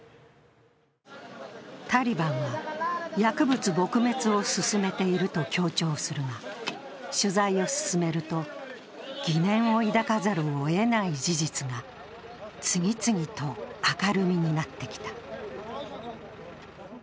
タリバンは、薬物撲滅を進めていると強調するが、取材を進めると、疑念を抱かざるを得ない事実が次々と明るみになってきた。